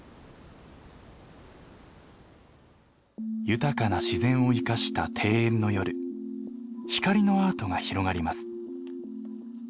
豊かな自然を生かした庭園の夜光のアートが広がります。